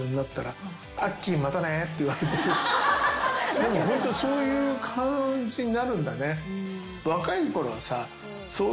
でもホントにそういう感じになるんだね。